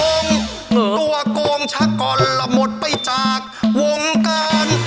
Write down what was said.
ตัวกงชะกรหมดไปจากวงการ